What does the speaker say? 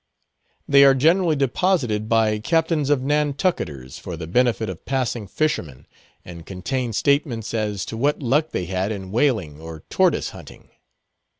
They are generally deposited by captains of Nantucketers for the benefit of passing fishermen, and contain statements as to what luck they had in whaling or tortoise hunting.